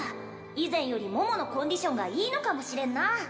以前より桃のコンディションがいいのかもしれんな